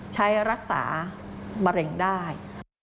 ใช้รักษามะเร็งได้